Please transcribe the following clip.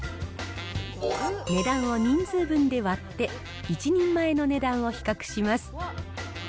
値段を人数分で割って、１人前の値段を比較します。